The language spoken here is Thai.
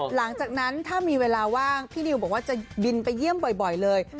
หลังจากนั้นถ้ามีเวลาว่างพี่นิวบอกว่าจะบินไปเยี่ยมบ่อยเลย